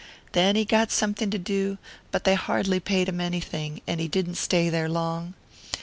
Then he got something to do, but they hardly paid him anything, and he didn't stay there long.